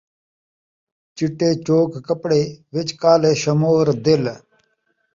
چٹے چوک کپڑے ، وچ کالے شمور دل